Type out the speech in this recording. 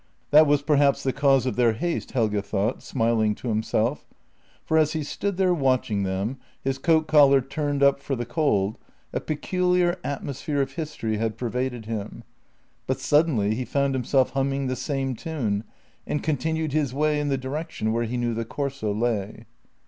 That was perhaps the cause of their haste, Helge thought, smiling to himself, for as he stood there watching them, his coat collar turned up for the cold, a peculiar atmosphere of history had pervaded him — but suddenly he found himself humming the same tune, and con tinued his way in the direction where he knew the Corso lay.